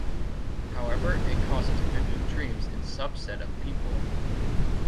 However it causes vivid dreams in subset of people.